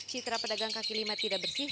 citra pedagang kaki lima tidak bersih